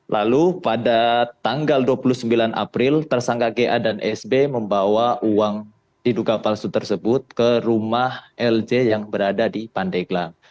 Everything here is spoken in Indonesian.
lalu pada tanggal dua puluh sembilan april tersangka ga dan sb membawa uang diduga palsu tersebut ke rumah lj yang berada di pandeglang